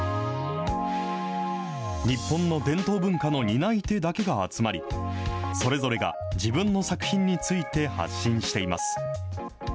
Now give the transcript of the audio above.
日本の伝統文化の担い手だけが集まり、それぞれが自分の作品について発信しています。